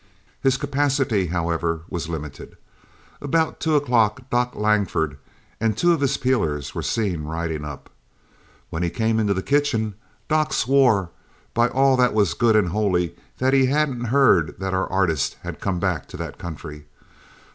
"His capacity, however, was limited. About two o'clock Doc Langford and two of his peelers were seen riding up. When he came into the kitchen, Doc swore by all that was good and holy that he hadn't heard that our artist had come back to that country.